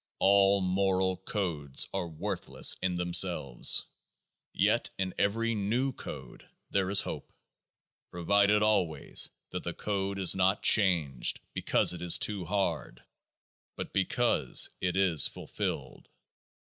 All moral codes are worthless in themselves ; yet in every new code there is hope. Pro vided always that the code is not changed because it is too hard, but because if is fulfilled.